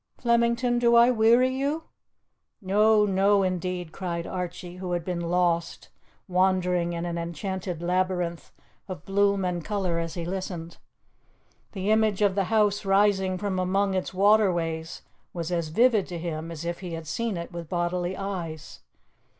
Flemington, do I weary you?" "No, no, indeed!" cried Archie, who had been lost, wandering in an enchanted labyrinth of bloom and colour as he listened. The image of the house rising from among its waterways was as vivid to him as if he had seen it with bodily eyes.